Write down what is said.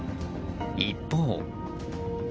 一方。